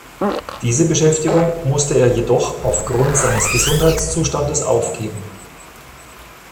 Diese Beschäftigung musste er jedoch aufgrund seines Gesundheitszustandes aufgeben.